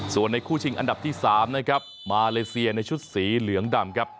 ส่วนในคู่ชิงอันดับที่๓นะครับมาเลเซียในชุดสีเหลืองดำครับ